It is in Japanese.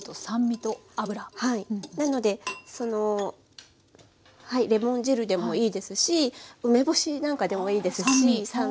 なのでレモン汁でもいいですし梅干しなんかでもいいですし。は酸味。